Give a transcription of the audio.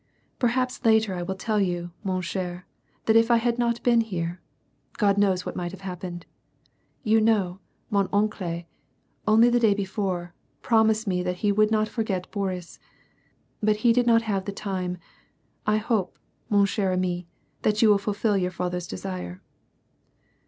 "Perhaps later I will tell you, 7no7i cher, that if I had not been here, — God knows what might have happened. You know, mon ancle, only the day before, promised me that he would not forget Boris. But he did not have the time; I hope, man cher ami, that you will fulfil your father's desire."